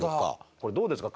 これどうですか？